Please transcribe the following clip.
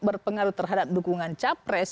berpengaruh terhadap dukungan capres